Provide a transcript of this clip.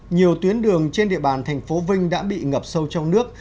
nhiều tuyến đường trên địa bàn thành phố vinh đã bị ngập sâu trong nước